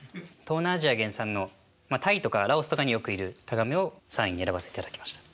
東南アジア原産のタイとかラオスとかによくいるタガメを３位に選ばせていただきました。